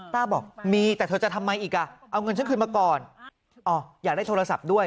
ต้าบอกมีแต่เธอจะทำไมอีกอ่ะเอาเงินฉันคืนมาก่อนอ๋ออยากได้โทรศัพท์ด้วย